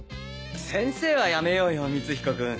先生はやめようよ光彦君。